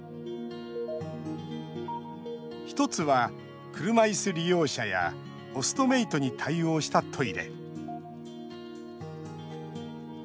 １つは車いす利用者やオストメイトに対応したトイレ。